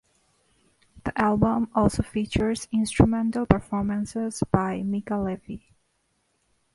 The album also features instrumental performances by Mica Levi.